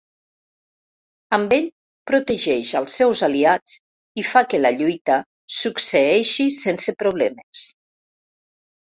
Amb ell, protegeix als seus aliats i fa que la lluita succeeixi sense problemes.